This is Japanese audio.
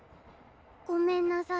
ごめんなさい。